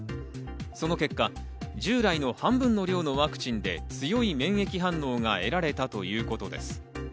その結果、従来の半分の量のワクチンで強い免疫反応が得られたということです。